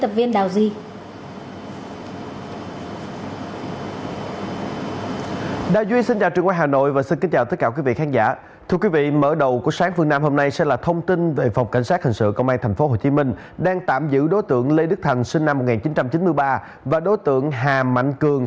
phòng cảnh sát hình sự công an tp hcm đang tạm giữ đối tượng lê đức thành sinh năm một nghìn chín trăm chín mươi ba và đối tượng hà mạnh cường